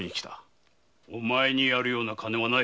お前にやるような金はない。